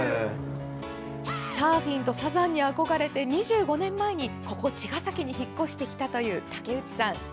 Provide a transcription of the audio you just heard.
サーフィンとサザンに憧れて２５年前に、ここ茅ヶ崎に引っ越してきたという竹内さん。